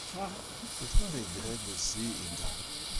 Petra a vez graet eus se e galleg ?